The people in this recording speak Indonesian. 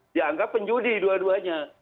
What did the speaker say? dianggap penjudi dua duanya